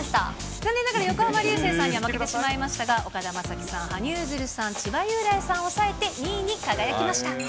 残念ながら横浜流星さんには負けてしまいましたが、岡田将生さん、羽生結弦さん、千葉雄大さんを抑えて２位に輝きました。